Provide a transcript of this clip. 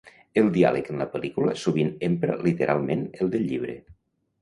El diàleg en la pel·lícula sovint empra literalment el del llibre.